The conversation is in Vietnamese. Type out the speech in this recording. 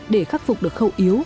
để khắc phục được khẩu yếu